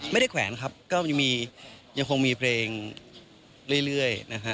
แขวนครับก็ยังคงมีเพลงเรื่อยนะฮะ